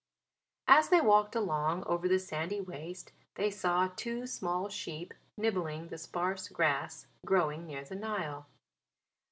As they walked along over the sandy waste they saw two small sheep nibbling the sparse grass growing near the Nile.